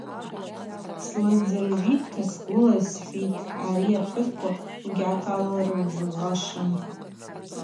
Слыздзыргӏвитӏта сгвыла йсхӏвитӏ: ари апхӏвыспа угьгӏаталыргӏвзуашым.